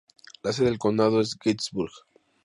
La sede del condado es Gettysburg.